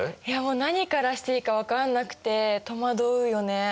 いやもう何からしていいか分かんなくて戸惑うよね。